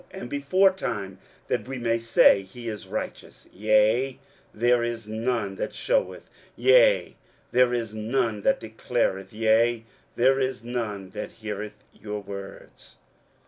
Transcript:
and beforetime, that we may say, He is righteous? yea, there is none that sheweth, yea, there is none that declareth, yea, there is none that heareth your words.